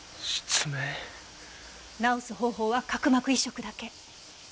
治す方法は角膜移植だけ。